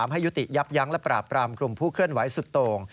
ให้ยุติยับยั้งและปราบปรามกลุ่มผู้เคลื่อนไหวสุดโต่ง